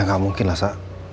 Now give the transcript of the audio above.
ya gak mungkin lah sa